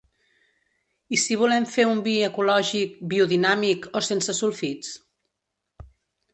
I si volem fer un vi ecològic, biodinàmic o sense sulfits?